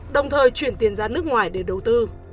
đồng thời chuyển tiền ra nước ngoài để đầu tư